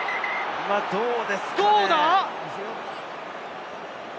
今、どうですかね？